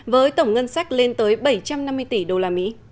với tổng ngân sách lên tới bảy trăm năm mươi tỷ usd